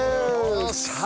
よっしゃー！